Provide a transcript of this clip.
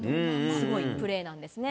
すごいプレーなんですね。